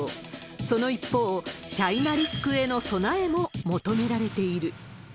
その一方、チャイナリスクへの備えも求められている。